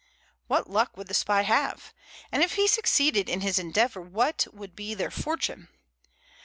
What luck would the spy have? And if he succeeded in his endeavor, what would be their fortune?